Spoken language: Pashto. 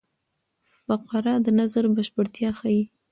فقره د نظر بشپړتیا ښيي.